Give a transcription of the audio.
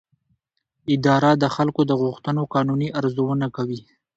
اداره د خلکو د غوښتنو قانوني ارزونه کوي.